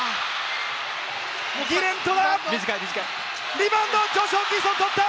ギレントはリバウンド、ジョシュ・ホーキンソン、とった！